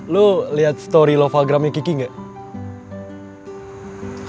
lo liat story loveagramnya kiki gak